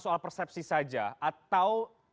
soal persepsi saja atau